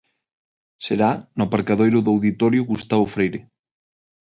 Será no aparcadoiro do Auditorio Gustavo Freire.